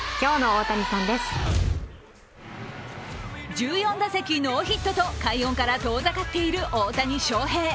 １４打席ノーヒットと快音から遠ざかっている大谷翔平。